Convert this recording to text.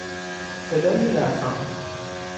صدای رسا